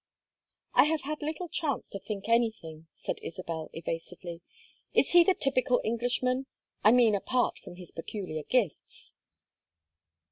"I have had little chance to think anything," said Isabel, evasively. "Is he the typical Englishman I mean apart from his peculiar gifts?"